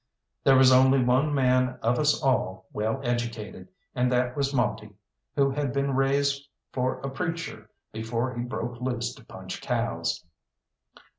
There was only one man of us all well educated, and that was Monte, who had been raised for a preacher before he broke loose to punch cows.